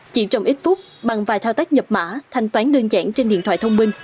chỉ trong ít phút bằng vài thao tác nhập mã thanh toán đơn giản trên điện thoại thông minh